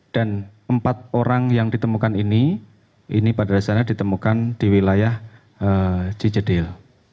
dan empat orang yang ditemukan ini ini pada dasarnya ditemukan di wilayah cicedil